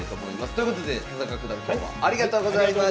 ということで田中九段今日はありがとうございました。